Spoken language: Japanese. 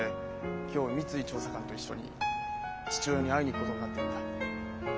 今日三井調査官と一緒に父親に会いに行くことになってるんだ。